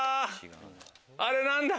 あれ何だ？